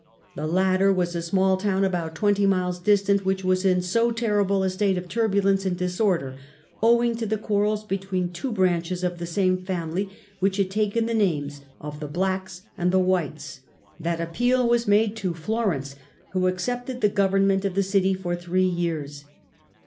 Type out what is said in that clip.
The latter was a small town about twenty miles distant, which was in so terrible a state of turbulence and disorder owing to the quarrels between two branches of the same family, which had taken the The Blacks and Whites names of the Blacks and the Whites, that appeal was ITALY, 1273 1313 45 made to Florence, who accepted the government of the city for three years.